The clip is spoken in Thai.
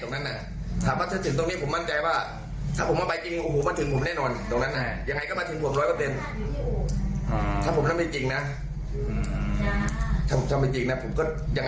แต่ก็ยืนยังว่าเรามันไม่มีส่วนเดียวกัน